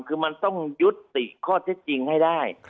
คือมันต้องยุติข้อเท็จจริงให้ได้